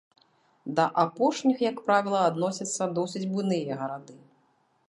Да апошніх як правіла адносяцца досыць буйныя гарады.